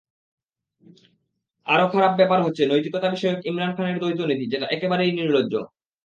আরও খারাপ ব্যাপার হচ্ছে, নৈতিকতা-বিষয়ক ইমরান খানের দ্বৈতনীতি, যেটা একেবারেই নির্লজ্জ।